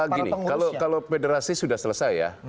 gini kalau federasi sudah selesai ya